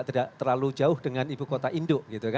tidak terlalu jauh dengan ibu kota indo